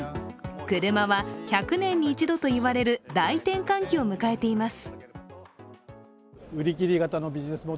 クルマは１００年に一度と言われる大転換期を迎えています。